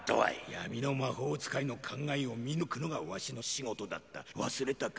闇の魔法使いの考えを見抜くのがわしの仕事だった忘れたか？